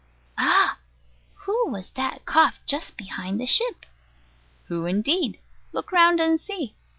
Ah! Who was that coughed just behind the ship? Who, indeed? look round and see.